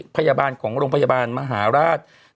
พยาบาลของโรงพยาบาลมหาราช